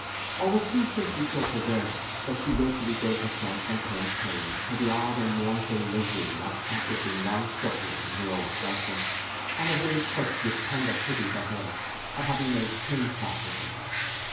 Or was Sue simply so perverse that she wilfully gave herself and him pain for the odd and mournful luxury of practising long suffering in her own person, and of being touched with tender pity for him at having made him practise it?